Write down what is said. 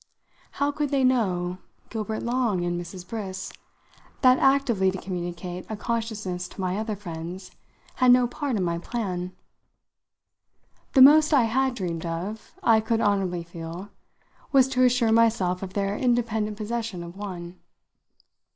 How could they know, Gilbert Long and Mrs. Briss, that actively to communicate a consciousness to my other friends had no part in my plan? The most I had dreamed of, I could honourably feel, was to assure myself of their independent possession of one.